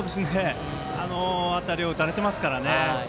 あの辺りを打たれていますからね。